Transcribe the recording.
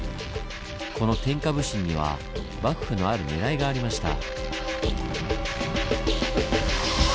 この天下普請には幕府のある「ねらい」がありました。